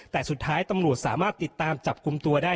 แต่สุดท้ายตำรวจสามารถติดตามจับกลุ่มตัวได้